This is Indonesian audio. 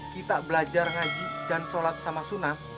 kita belajar ngaji dan sholat sama sunnah